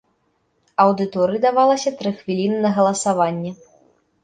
Аўдыторыі давалася тры хвіліны на галасаванне.